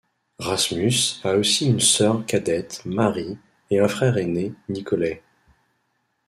Rasmus a aussi une sœur cadette, Marie, et un frère aîné, Nicolai.